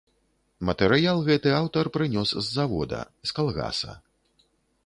Матэрыял гэты аўтар прынёс з завода, з калгаса.